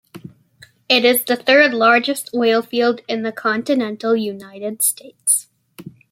It is the third largest oil field in the continental United States.